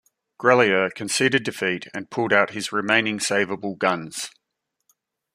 Grellier conceded defeat and pulled out his remaining saveable guns.